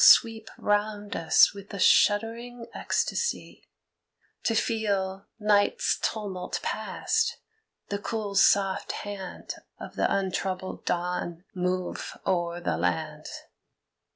Sweep round us with a shuddering ecstasy, To feel, night's tumult passed, the cool soft hand Of the untroubled dawn move o'er the land.